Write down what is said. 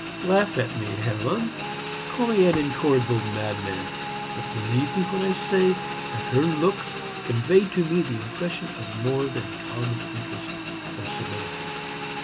"Laugh at me, Hermann call me an incorrigible madman; but believe me when I say that her looks conveyed to me the impression of more than common interest or civility.